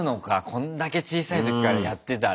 こんだけ小さい時からやってたら。